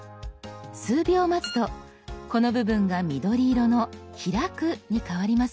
数秒待つとこの部分が緑色の「開く」に変わりますよ。